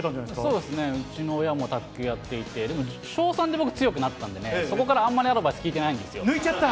うちの親も卓球やっていて、でも小３で僕、強くなったんでね、そこからあんまりアドバイス聞い抜いちゃった。